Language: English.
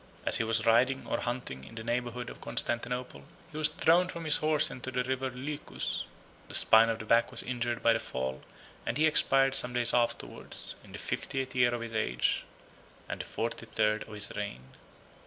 As he was riding, or hunting, in the neighborhood of Constantinople, he was thrown from his horse into the River Lycus: the spine of the back was injured by the fall; and he expired some days afterwards, in the fiftieth year of his age, and the forty third of his reign.